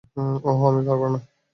ওহ, আমি পারব না।